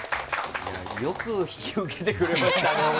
よく引き受けてくれましたね。